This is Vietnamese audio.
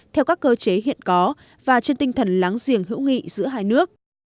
theo các cơ chế hiện có và trên tinh thần láng giềng hữu nghị giữa hai nước